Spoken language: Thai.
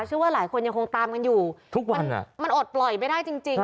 เชื่อว่าหลายคนยังคงตามกันอยู่ทุกวันมันอดปล่อยไม่ได้จริง